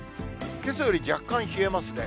けさより若干冷えますね。